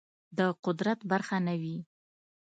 د قدرت برخه نه وي